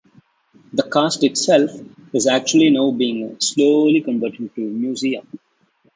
The castle itself is actually now being slowly converted into a museum.